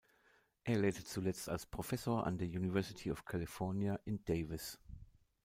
Er lehrte zuletzt als Professor an der University of California in Davis.